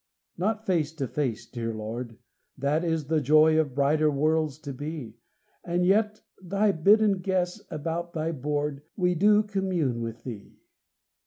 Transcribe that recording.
Not face to face, dear Lord; That is the joy of brighter worlds to be; And yet, Thy bidden guests about Thy board, We do commune with Thee.